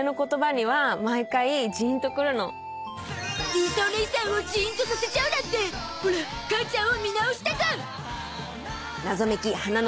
里依紗おねいさんをジーンとさせちゃうなんてオラ母ちゃんを見直したゾ！